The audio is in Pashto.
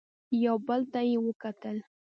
يو بل ته يې وکتل.